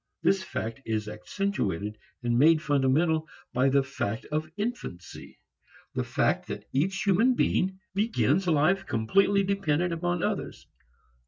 This fact is accentuated and made fundamental by the fact of infancy the fact that each human being begins life completely dependent upon others.